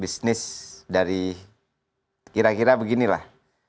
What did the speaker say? bisnis dari kira kira beginilah